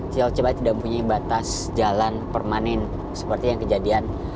tol cipali tidak mempunyai batas jalan permanen seperti yang kejadian